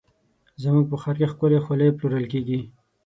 زموږ په ښار کې ښکلې خولۍ پلورل کېږي.